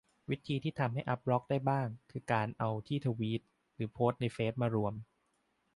วิธีที่ทำให้อัปบล็อกได้บ้าง คือการเอาจากที่ทวีตหรือโพสต์ในเฟซมารวม